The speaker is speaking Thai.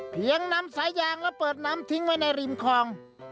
นำสายยางและเปิดน้ำทิ้งไว้ในริมคลอง